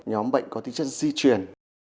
nhóm bệnh có tính chất di chuyển